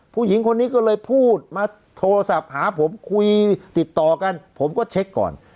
ผู้หญิงคนนี้ก็เลยพูดมาโทรศัพท์หาผมคุยติดต่อกันผมก็เช็คก่อน